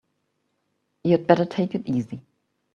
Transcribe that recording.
You'd better take it easy.